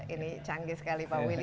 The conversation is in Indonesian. ini canggih sekali pak will